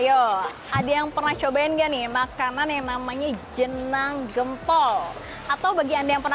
ayo ada yang pernah cobain enggak nih makanan yang namanya jenang gempol atau bagi anda yang pernah